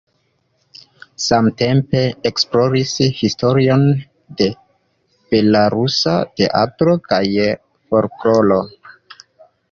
Samtempe esploris historion de belorusa teatro kaj folkloro.